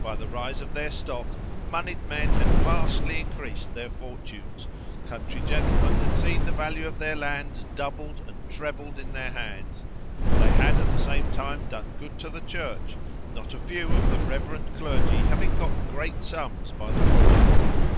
By the rise of their stock, monied men had vastly increased their fortunes; country gentlemen had seen the value of their lands doubled and trebled in their hands. They had at the same time done good to the Church, not a few of the reverend clergy having got great sums by the project.